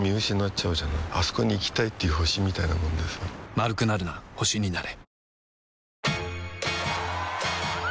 丸くなるな星になれわ！